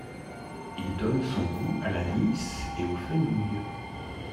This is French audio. Il donne son goût à l’anis et au fenouil.